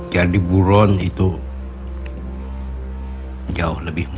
jadi burun itu jauh lebih menarik